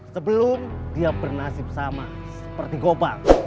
sebelum dia bernasib sama seperti gopa